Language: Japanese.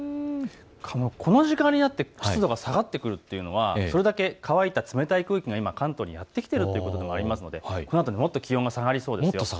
この時間になって湿度が下がってくるというのはそれだけ乾いた冷たい空気が関東にやって来ているということもありますのでこのあと気温もっと下がりそうです。